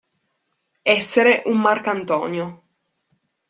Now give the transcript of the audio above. Essere un marcantonio.